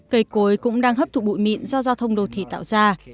cây cối cũng đang hấp thụ bụi mịn do giao thông đô thị tạo ra